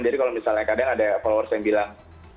jadi kalau misalnya kadang ada followers yang bilang